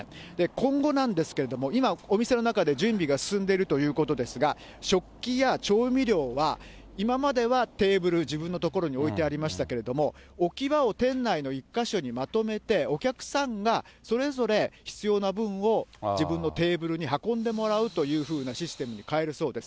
今後なんですけれども、今、お店の中で準備が進んでいるということですが、食器や調味料は、今まではテーブル、自分の所に置いてありましたけれども、置き場を店内の１か所にまとめて、お客さんがそれぞれ必要な分を自分のテーブルに運んでもらうというふうなシステムに変えるそうです。